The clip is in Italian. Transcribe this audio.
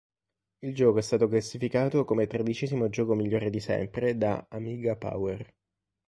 Il gioco è stato classificato come tredicesimo gioco migliore di sempre da "Amiga Power".